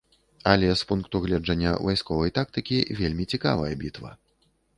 Але з пункту гледжання вайсковай тактыкі вельмі цікавая бітва.